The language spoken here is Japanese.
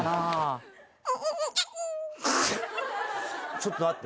ちょっと待って。